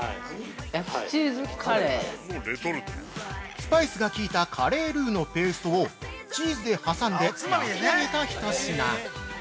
◆スパイスが効いたカレールウのペーストをチーズで挟んで、焼き上げたひと品。